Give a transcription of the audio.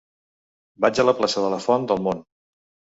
Vaig a la plaça de la Font del Mont.